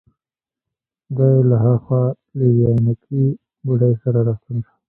دی له هاخوا له یوې عینکې بوډۍ سره راستون شو.